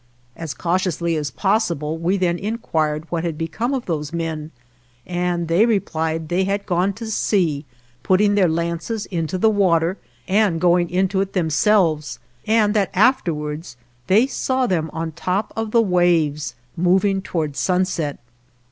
As cautiously as possible, we then in quired what had become of those men ; and they replied they had gone to sea, putting their lances into the water and going into it themselves, and that afterwards they saw them on top of the waves moving towards sunset.